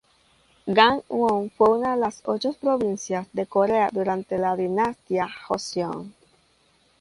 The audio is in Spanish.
Gangwon fue una de las ocho provincias de Corea durante la Dinastía Joseon.